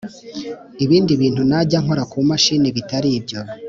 ibindi bintu najya nkora ku mashini bitari ibyo